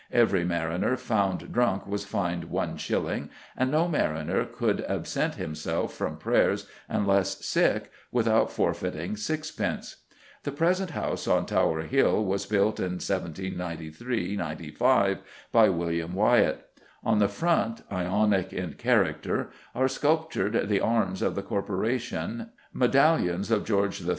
Every mariner found drunk was fined one shilling, and no mariner could absent himself from prayers unless sick, without forfeiting sixpence." The present House on Tower Hill was built in 1793 95 by Samuel Wyatt. On the front, Ionic in character, are sculptured the arms of the corporation, medallions of George III.